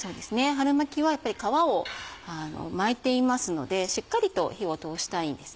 春巻きはやっぱり皮を巻いていますのでしっかりと火を通したいんですね。